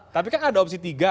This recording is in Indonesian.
tapi kan ada opsi tiga